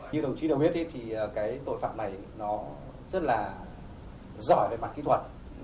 như đồng chí đều biết thì cái tội phạm này nó rất là giỏi về mặt kỹ thuật